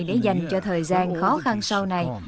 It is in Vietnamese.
để dành cho thời gian khó khăn sau này